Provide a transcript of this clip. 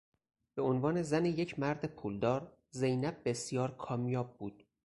به عنوان زن یک مرد پولدار زینب بسیار کامیاب بود.